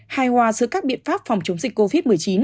hài hòa giữa các biện pháp phòng chống dịch covid một mươi chín